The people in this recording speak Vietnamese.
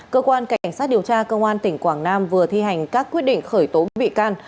cơ quan cảnh sát điều tra công an tỉnh quảng nam vừa thi hành các quyết định khởi tố bị can